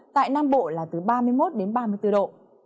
tại nam bộ là từ ba mươi một đến ba mươi bốn độ